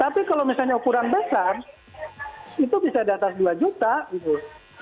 tapi kalau misalnya ukuran besar itu bisa di atas dua juta gitu